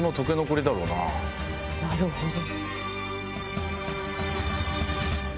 なるほど。